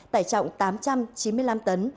tải trọng tám trăm chín mươi năm tấn